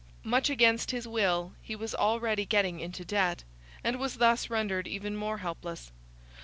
Much against his will he was already getting into debt, and was thus rendered even more helpless.